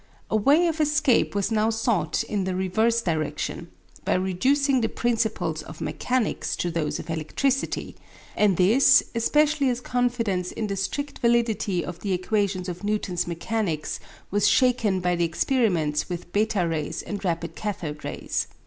A way of escape was now sought in the reverse direction, by reducing the principles of mechanics to those of electricity, and this especially as confidence in the strict validity of the equations of Newton's mechanics was shaken by the experiments with beta rays and rapid kathode rays.